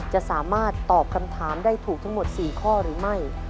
จะสามารถตอบคำถามได้ถูกทั้งหมด๔ข้อหรือไม่